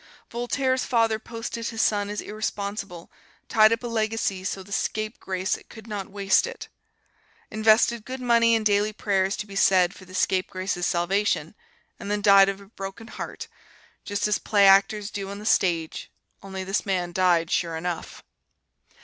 Voltaire's father posted his son as irresponsible, tied up a legacy so "the scapegrace could not waste it," invested good money in daily prayers to be said for the scapegrace's salvation, and then died of a broken heart, just as play actors do on the stage, only this man died sure enough.